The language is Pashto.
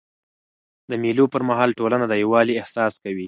د مېلو پر مهال ټولنه د یووالي احساس کوي.